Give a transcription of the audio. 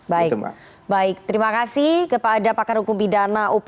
baik baik terima kasih kepada pakar hukum pidana up